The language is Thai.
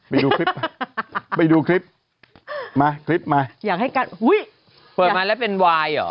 ไปดูคลิปมาไปดูคลิปมาคลิปมาอยากให้กันอุ้ยเปิดมาแล้วเป็นวายเหรอ